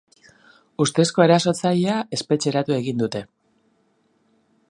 Ustezko erasotzailea espetxeratu egin dute.